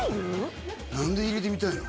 何で入れてみたいの？